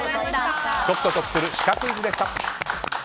解くと得するシカクイズでした。